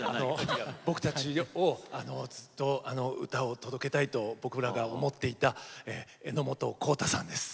僕たちがずっと歌を届けたいと僕らが思っていた榎本康太さんです。